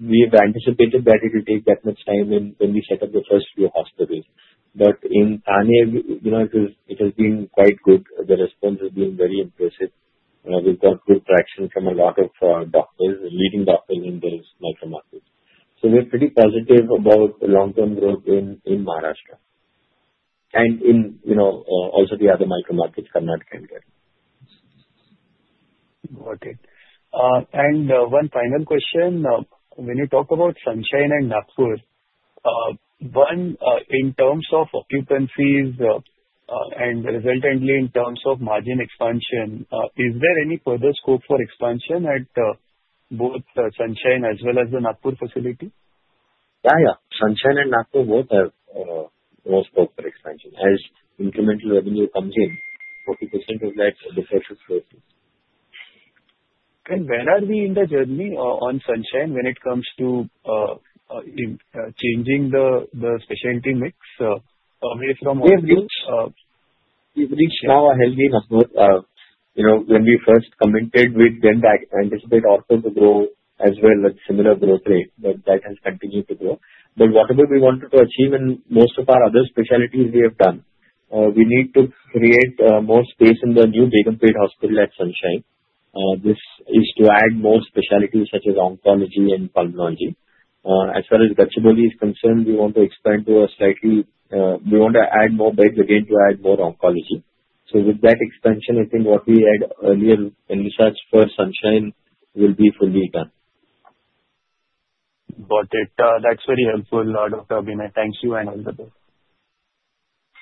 we have anticipated that it will take that much time when we set up the first few hospitals. But in one, it has been quite good. The response has been very impressive. We've got good traction from a lot of doctors, leading doctors in those micro-markets. So we're pretty positive about long-term growth in Maharashtra. And also the other micro-markets, Karnataka and Kerala. Got it. And one final question. When you talk about Sunshine and Nagpur, in terms of occupancies and resultantly in terms of margin expansion, is there any further scope for expansion at both Sunshine as well as the Nagpur facility? Sunshine and Nagpur both have more scope for expansion. As incremental revenue comes in, 40% of that the fixed costs go to. Where are we in the journey on Sunshine when it comes to changing the specialty mix away from? We've reached now a healthy number. When we first commented, we then anticipate also to grow as well at similar growth rate. But that has continued to grow. But whatever we wanted to achieve in most of our other specialties, we have done. We need to create more space in the new Begumpet hospital at Sunshine. This is to add more specialties such as oncology and pulmonology. As far as Gachibowli is concerned, we want to expand to a slightly we want to add more beds again to add more oncology. So with that expansion, I think what we had earlier in research for Sunshine will be fully done. Got it. That's very helpful, Dr. Abhinay. Thank you and all the best.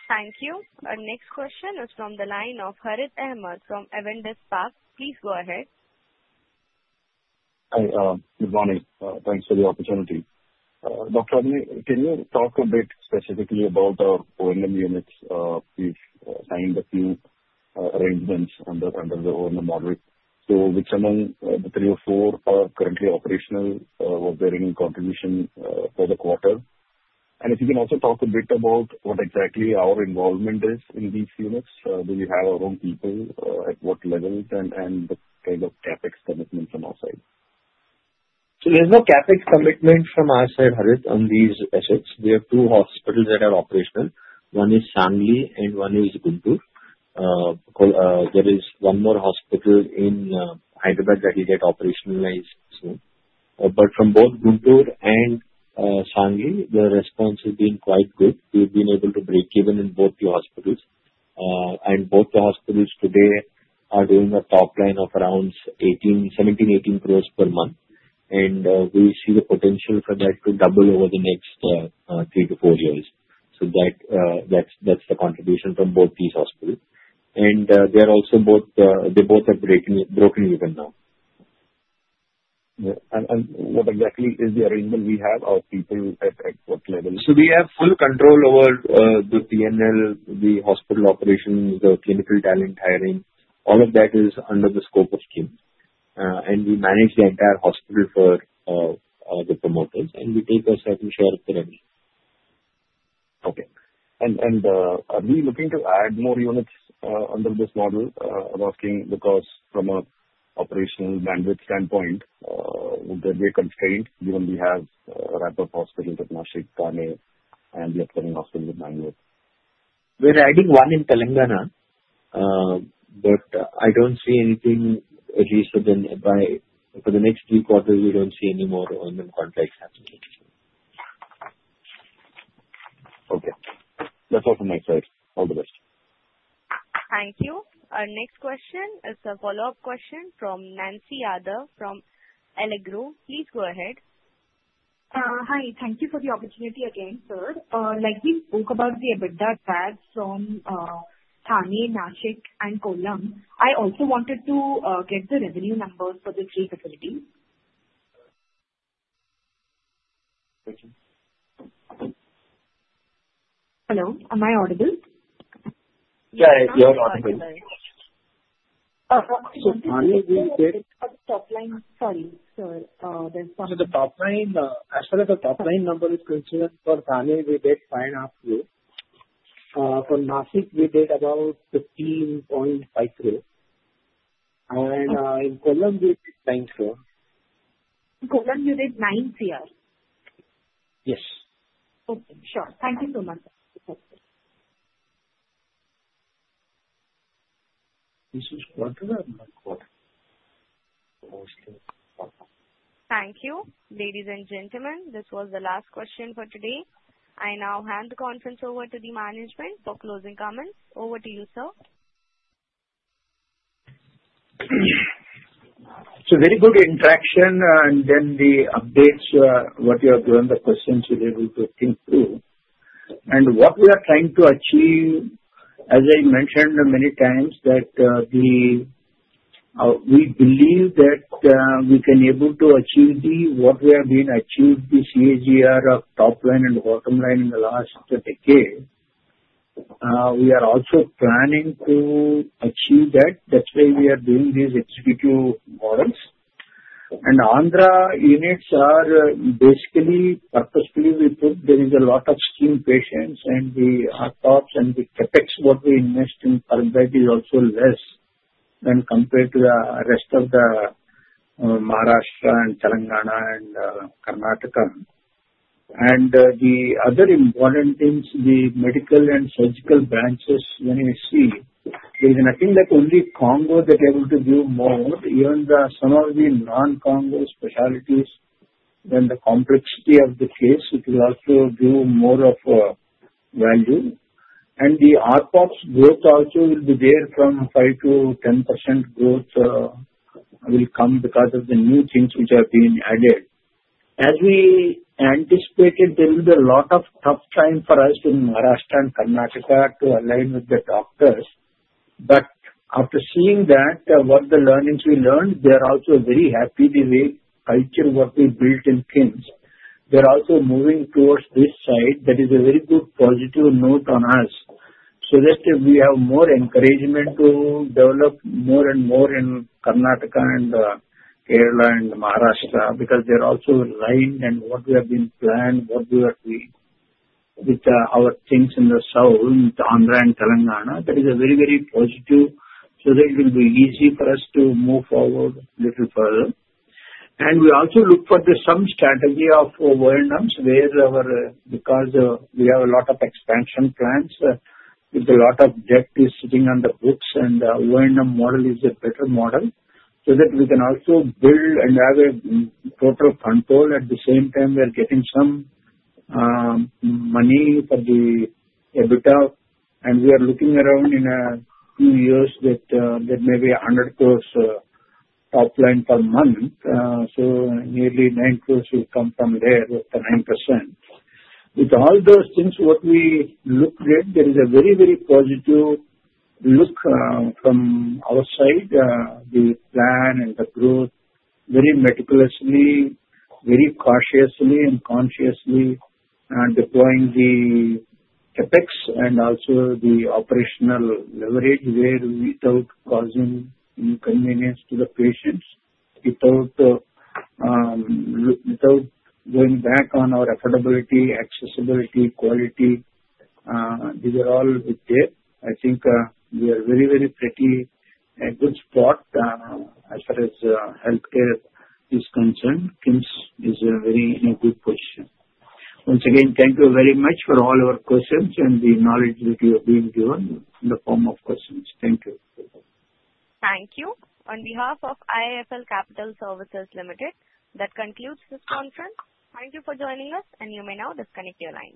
Thank you. Our next question is from the line of Harith Ahamed from Avendus Spark. Please go ahead. Hi. Good morning. Thanks for the opportunity. Dr. Abhinay, can you talk a bit specifically about our O&M units? We've signed a few arrangements under the O&M model. So which among the three or four are currently operational? What is their, if any, contribution for the quarter? And if you can also talk a bit about what exactly our involvement is in these units. Do we have our own people at what level and what kind of CapEx commitments on our side? So there's no CapEx commitment from our side, Harith, on these efforts. We have two hospitals that are operational. One is Sangli and one is Guntur. There is one more hospital in Hyderabad that will get operationalized soon. But from both Guntur and Sangli, the response has been quite good. We've been able to break even in both the hospitals. And both the hospitals today are doing a top line of around 17 crores-18 crores per month. And we see the potential for that to double over the next three to four years. So that's the contribution from both these hospitals. And they're also both have broken even now. What exactly is the arrangement we have? Our people at what level? So we have full control over the P&L, the hospital operations, the clinical talent hiring. All of that is under the scope of O&M. And we manage the entire hospital for the promoters, and we take a certain share of the revenue. Okay. And are we looking to add more units under this model? I'm asking because from an operational bandwidth standpoint, would there be a constraint given we have a ramp-up hospital with Nashik, Thane, and the upcoming hospital with Bangalore? We're adding one in Telangana, but I don't see anything at least for the next three quarters. We don't see any more O&M contracts happening. Okay. That's all from my side. All the best. Thank you. Our next question is a follow-up question from Nancy Yadav from Allegro. Please go ahead. Hi. Thank you for the opportunity again, sir. Like we spoke about the acquired beds from Thane, Nashik, and Kollam, I also wanted to get the revenue numbers for the three facilities. Hello? Am I audible? Yeah. You're audible. Sorry, sir. There's some. The top line, as far as the top line number is concerned for Thane, we did 5.5 crore. For Nashik, we did about 15.5 crore. And in Kollam, we did 9 crore. Kollam, you did 9 crore? Yes. Okay. Sure. Thank you so much. This is quarter-on-quarter? Thank you. Ladies and gentlemen, this was the last question for today. I now hand the conference over to the management for closing comments. Over to you, sir. Very good interaction. And then the updates, what you have given the questions, we're able to think through. And what we are trying to achieve, as I mentioned many times, that we believe that we can be able to achieve what we have been achieving this year of top line and bottom line in the last decade. We are also planning to achieve that. That's why we are doing the executive models. And Andhra units are basically purposefully we put there is a lot of scheme patients and the ARPOBs and the CapEx what we invest in Begumpet is also less than compared to the rest of the Maharashtra and Telangana and Karnataka. And the other important things, the medical and surgical branches, when you see, there is nothing like only oncology that is able to give more. Even some of the non-oncology specialties, then the complexity of the case, it will also give more of a value, and the ARPOB growth also will be there from 5%-10% growth will come because of the new things which have been added. As we anticipated, there will be a lot of tough time for us in Maharashtra and Karnataka to align with the doctors, but after seeing that, what the learnings we learned, they are also very happy with the culture what we built in KIMS. They're also moving towards this side. That is a very good positive note on us, so that we have more encouragement to develop more and more in Karnataka and Kerala and Maharashtra because they're also aligned and what we have been planned, what we are doing with our things in the South, in Andhra and Telangana. That is a very, very positive so that it will be easy for us to move forward a little further. And we also look for some strategy of O&Ms where because we have a lot of expansion plans, with a lot of debt sitting on the books, and the O&M model is a better model so that we can also build and have total control at the same time we are getting some money for the capex. And we are looking around in a few years that maybe 100 crores top line per month. So nearly 9 crores will come from there with the 9%. With all those things, what we look at, there is a very, very positive look from our side. The plan and the growth, very meticulously, very cautiously and consciously deploying the CapEx and also the operational leverage without causing inconvenience to the patients, without going back on our affordability, accessibility, quality. These are all there. I think we are very, very pretty and good spot as far as healthcare is concerned. KIMS is in a good position. Once again, thank you very much for all our questions and the knowledge that you have been given in the form of questions. Thank you. Thank you. On behalf of IIFL Capital Services Limited, that concludes this conference. Thank you for joining us, and you may now disconnect your line.